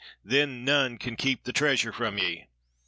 Then none can keep the treasure from ye."